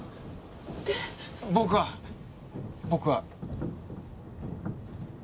僕は僕は。